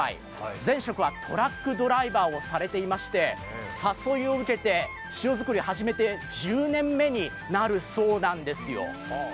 前職はトラックドライバーをされていまして誘いを受けて塩作りを始めて１０年目になるそうなんですよ。